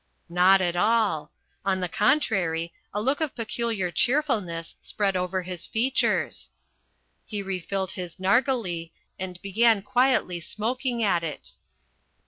Not at all. On the contrary, a look of peculiar cheerfulness spread over his features. He refilled his narghileh and began quietly smoking at it.